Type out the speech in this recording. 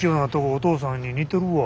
お父さんに似てるわ。